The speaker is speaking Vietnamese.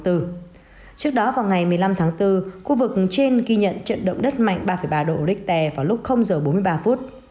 trước đó vào ngày một mươi năm tháng bốn khu vực trên ghi nhận trận động đất mạnh ba ba độ richter vào lúc giờ bốn mươi ba phút